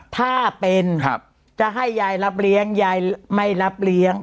ถ้าเป็นจะให้ยายรับเลี้ยงยายไม่รับเลี้ยง